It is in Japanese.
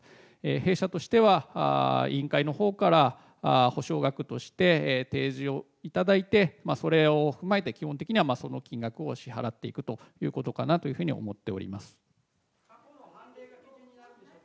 弊社としては、委員会のほうから補償額として提示をいただいて、それを踏まえて基本的にはその金額を支払っていくということかなと思っております。